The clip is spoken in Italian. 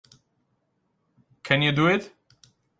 Can You Do It?